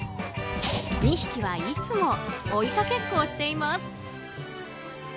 ２匹はいつも追いかけっこをしています。